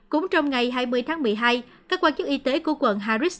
cũng trong ngày hai mươi tháng một mươi hai các quan chức y tế của quận harris